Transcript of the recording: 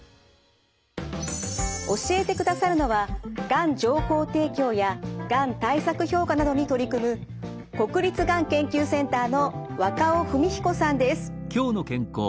教えてくださるのはがん情報提供やがん対策評価などに取り組む国立がん研究センターの若尾文彦さんです。